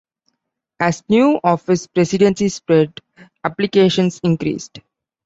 As news of his presidency spread, applications increased.